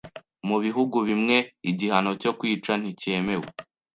Mu bihugu bimwe, igihano cyo kwicwa nticyemewe.